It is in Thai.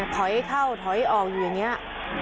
ถอยเข้าถอยออกอยู่อย่างนี้